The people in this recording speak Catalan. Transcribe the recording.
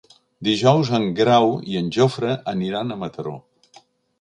Dijous en Grau i en Jofre aniran a Mataró.